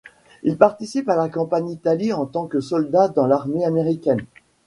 Il participe à la campagne d'Italie en tant que soldat dans l'armée américaine.